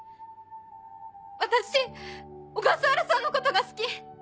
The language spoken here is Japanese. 私小笠原さんのことが好き！